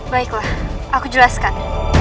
baiklah aku jelaskan